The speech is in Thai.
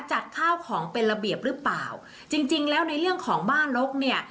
จัดข้าวของเป็นระเบียบหรือเปล่าจริงจริงแล้วในเรื่องของบ้านนกเนี่ย